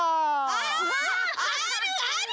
ああるある！